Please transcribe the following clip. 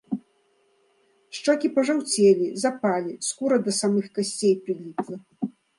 Шчокі пажаўцелі, запалі, скура да самых касцей прыліпла.